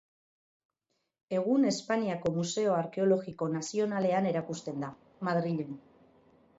Egun Espainiako Museo Arkeologiko Nazionalean erakusten da, Madrilen.